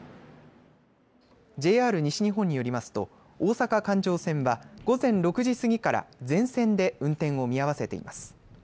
ＪＲ西日本によりますと大阪環状線は午前６時過ぎから全線で運転を見合わせています。